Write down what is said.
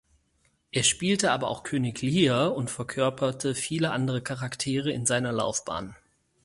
Er spielte aber auch König Lear und verkörperte viele andere Charaktere in seiner Laufbahn.